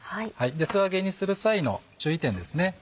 素揚げにする際の注意点ですね。